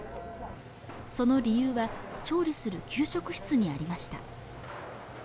その理由は調理する給食室にありました